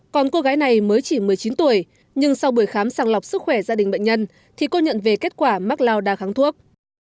còn cô gái này mới chỉ một mươi chín tuổi nhưng sau buổi khám sàng lọc sức khỏe gia đình bệnh nhân thì cô nhận về kết quả mắc lao đa kháng thuốc